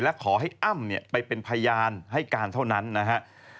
และขอให้อ้ำเนี่ยไปเป็นพยานให้การเท่านั้นนะครับ